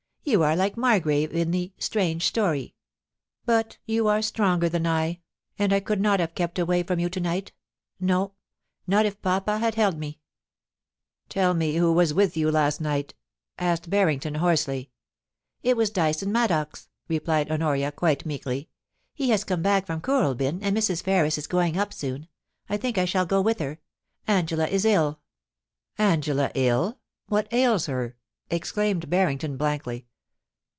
You are like Mar grave in the "Strange Stor>\" ... But you are stronger than I, and I could not have kept away from you to night — no, not if papa had held me !'' Tell me who was with you last night ?' asked Barrington, hoarsely. * It was Dyson Maddox,* replied Honoria, quite meekly. * He has come back from Kooralbyn, and Mrs. Ferris is going up soon. I think that I shall go with her. Angela is ilL' * Angela ill ! What ails her !' exclaimed Barrington, blankly.